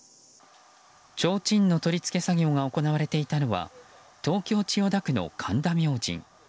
ちょうちんの取り付け作業が行われていたのは東京・千代田区の神田明神。